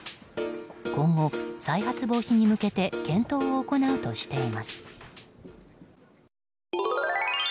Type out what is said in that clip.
今後、再発防止に向けて検討を行うとしています。